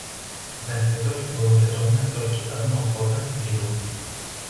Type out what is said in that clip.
Дагэтуль было вядомае толькі адно фота віду.